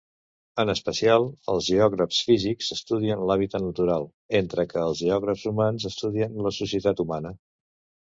En especial, els geògrafs físics estudien l'hàbitat natural, entre que els geògrafs humans estudien la societat humana.